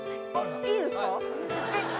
いいですか？